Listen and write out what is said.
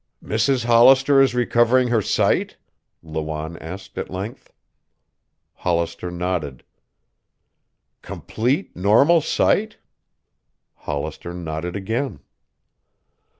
"Mrs. Hollister is recovering her sight?" Lawanne asked at length. Hollister nodded. "Complete normal sight?" Hollister nodded again.